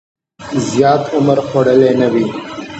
زیات عمر خوړلی نه وي.